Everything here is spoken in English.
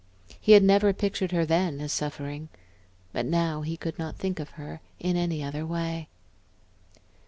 He had never pictured her then as suffering; but now, he could not think of her in any other way.